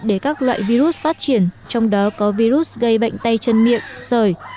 để các loại virus phát triển trong đó có virus gây bệnh tay chân miệng sởi